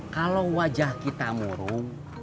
kalau wajah kita murung